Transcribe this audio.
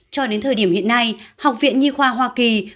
cho đến thời điểm hiện nay học viện nhi khoa hoa kỳ